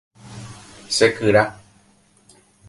Chekyra.